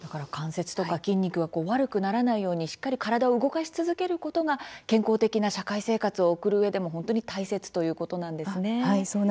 関節や筋肉が悪くならないようにしっかり体を動かし続けることが健康的な社会生活を送るうえでも本当に大切ということですね。